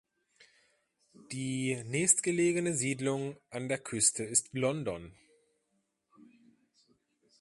Die nächstgelegene Siedlung an der Küste ist London.